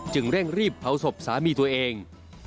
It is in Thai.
เร่งรีบเผาศพสามีตัวเอง